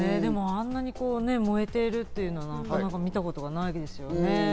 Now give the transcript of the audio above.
あんなに燃えているっていうのはなかなか見たことがないですよね。